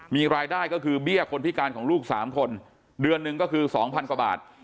มีรายได้ก็คือเบี้ยคนพิการของลูก๓คนเดือนหนึ่งก็คือ๒๐๐กว่าบาท